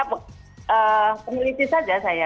peneliti saja saya